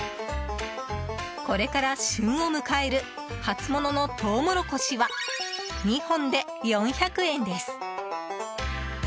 これから旬を迎える初物のトウモロコシは２本で４００円です。